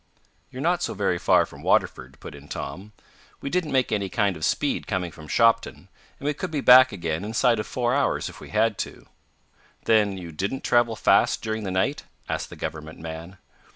"You're not so very far from Waterford," put in Tom. "We didn't make any kind of speed coming from Shopton, and we could be back again inside of four hours if we had to." "Then you didn't travel fast during the night?" asked the government man.